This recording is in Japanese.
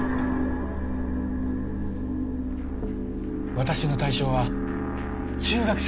私の対象は中学生です。